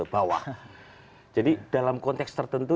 bawah jadi dalam konteks tertentu